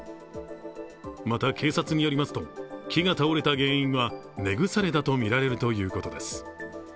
また、警察によりますと、木が倒れた原因は根腐れだとみられるということです。